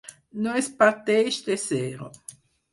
No es parteix de zero.